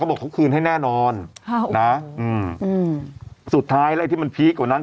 บอกเขาคืนให้แน่นอนนะอืมสุดท้ายแล้วไอ้ที่มันพีคกว่านั้น